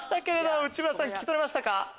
内村さん聞き取れましたか？